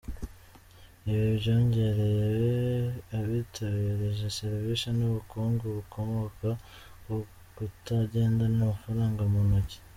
Ibi byongereye abitabira izi serivisi n’ubukungu bukomoka ku kutagendana amafaranga mu ntoki.